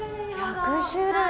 １００種類？